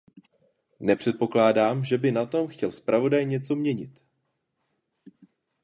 Nepředpokládám, že by na tom chtěl zpravodaj něco měnit!